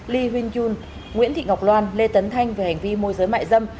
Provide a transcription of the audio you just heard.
lee huynh jun nguyễn thị ngọc loan lê tấn thanh về hành vi môi giới mại dâm